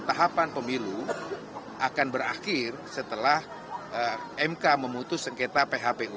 tahapan pemilu akan berakhir setelah mk memutus sengketa phpu